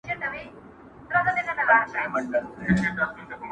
چي مي په کلیو کي بلا لنګه سي!